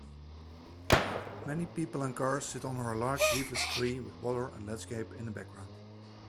Many people and cars sit under a large leafless tree with water and landscape in the background.